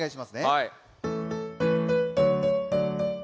はい。